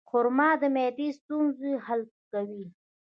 خرما د معدې د ستونزو حل کوي.